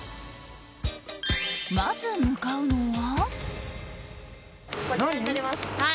まず向かうのは。